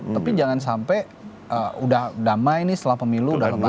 tapi jangan sampai udah damai nyi setelah pemilu udah lebaran